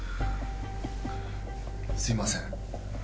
すみません。